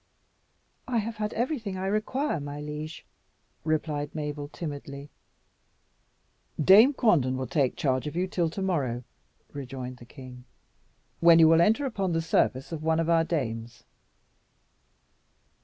"I have had everything I require, my liege," replied Mabel timidly. "Dame Quanden will take charge of you till to morrow," rejoined the king, "when you will enter upon the service of one of our dames."